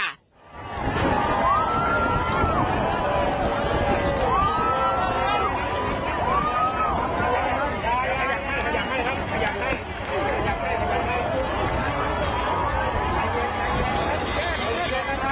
แนะนำ